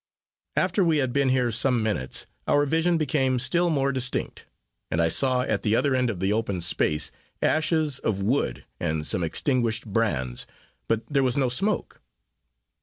After we had been here some minutes, our vision became still more distinct; and I saw, at the other end of the open space, ashes of wood, and some extinguished brands, but there was no smoke.